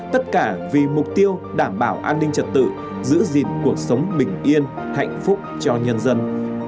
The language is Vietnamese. tất cả vì mục tiêu đảm bảo an ninh trật tự giữ gìn cuộc sống bình yên hạnh phúc cho nhân dân